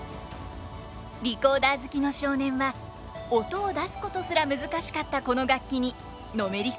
リコーダー好きの少年は音を出すことすら難しかったこの楽器にのめり込んでいきます。